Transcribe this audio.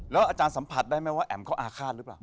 อาจารย์สัมผัสได้ไหมว่าแอ๋มเขาอาฆาตหรือเปล่า